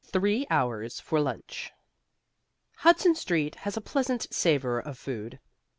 THREE HOURS FOR LUNCH Hudson Street has a pleasant savour of food.